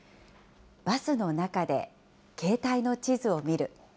バスの中で携帯の地図を見る。